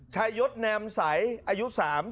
ชายศแนมใสอายุ๓๐